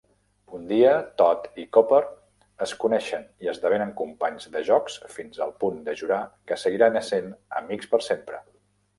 Un dia, Tod i Copper es coneixen i esdevenen companys de jocs fins al punt de jurar que seguiran essent "amics per sempre".